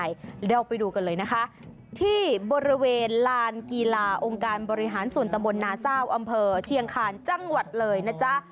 เดี๋ยวเราไปดูกันเลยนะคะที่บริเวณลานกีฬาองค์การบริหารส่วนตำบลนาเศร้าอำเภอเชียงคาญจังหวัดเลยนะจ๊ะ